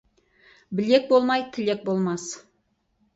Білек болмай тілек болмас.